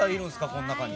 この中に。